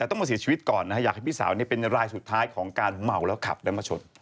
ค่ะผมอยากให้พี่สาวนี้เป็นรายสุดท้ายของการเมาและขับน้ำมะชน